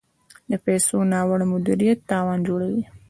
د پیسو ناوړه مدیریت تاوان جوړوي.